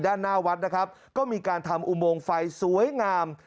ด้านหน้าวัดนะครับก็มีการทำอุโมงไฟสวยงาม